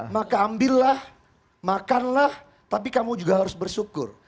maka ambillah makanlah tapi kamu juga harus bersyukur